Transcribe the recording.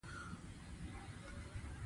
د کال په پای کې غړو ته یو کتاب ویشل کیږي.